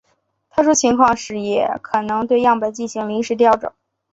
特殊情况时也可能对样本进行临时调整。